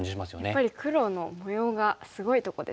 やっぱり黒の模様がすごいとこですもんね。